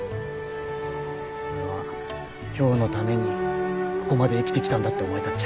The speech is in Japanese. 俺は今日のためにここまで生きてきたんだって思えたっちゃ。